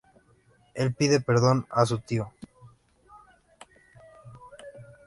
Él pide perdón a su tío.